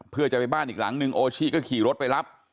เพื่อจะไปบ้านอีกหลังนึงโอชิก็ขี่รถไปรับ